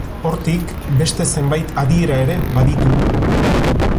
Hortik, beste zenbait adiera ere baditu.